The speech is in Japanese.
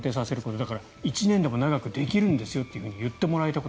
だから、１年でも長くできるんですよと言ってもらえたこと。